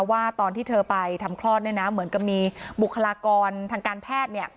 ว่าตอนที่เธอไปทำคลอดเนี่ยนะเหมือนกับมีบุคลากรทางการแพทย์เนี่ย